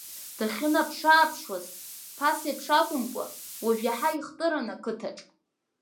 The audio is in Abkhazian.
Дахьынаԥш-ааԥшуаз, ԥасеиԥш акәымкәа, уажәы иаҳа ихтыран ақыҭаҿ.